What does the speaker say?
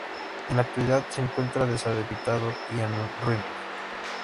En la actualidad se encuentra deshabitado, y en ruinas.